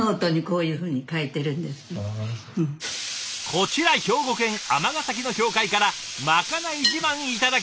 こちら兵庫県尼崎の教会からまかない自慢頂きました。